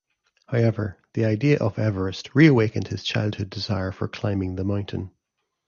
However, the idea of Everest reawakened his childhood desire for climbing the mountain.